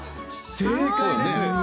正解です。